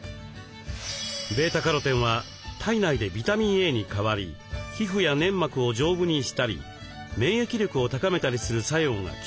βカロテンは体内でビタミンＡに変わり皮膚や粘膜を丈夫にしたり免疫力を高めたりする作用が期待されています。